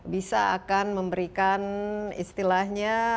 bisa akan memberikan istilahnya